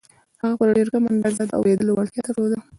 هغه په ډېره کمه اندازه د اورېدو وړتيا درلوده.